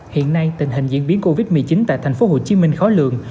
hiện nay tình hình diễn biến covid một mươi chín tại tp hcm khó lường